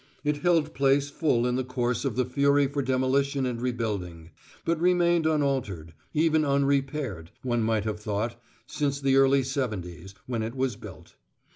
It held place full in the course of the fury for demolition and rebuilding, but remained unaltered even unrepaired, one might have thought since the early seventies, when it was built.